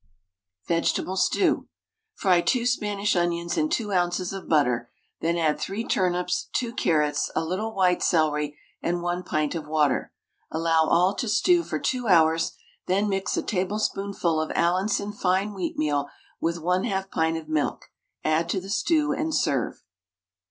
VEGETABLE STEW. Fry 2 Spanish onions in 2 oz. of butter, then add 3 turnips, 2 carrots, a little white celery, and 1 pint of water. Allow all to stew for 2 hours, then mix a tablespoonful of Allinson fine wheatmeal with 1/2 pint of milk. Add to the stew, and serve.